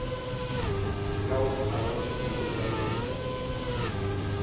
Gaur harro sentitu beharko litzateke.